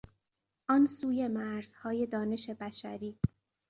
آن سوی مرزهای دانش بشری